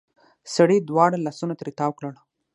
سړې دواړه لاسونه ترې تاو کړل.